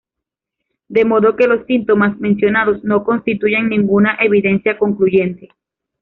De modo que los síntomas mencionados no constituyen ninguna evidencia concluyente.